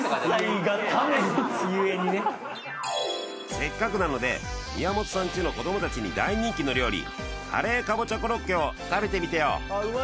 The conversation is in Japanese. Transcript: せっかくなので宮本さんちの子供達に大人気の料理カレーかぼちゃコロッケを食べてみてよ